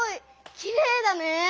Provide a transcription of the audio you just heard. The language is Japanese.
きれいだね。